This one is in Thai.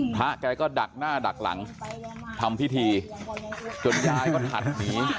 แกก็ดักหน้าดักหลังทำพิธีจนยายก็ถัดหนี